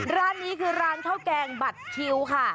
ร้านนี้คือร้านข้าวแกงบัตรคิวค่ะ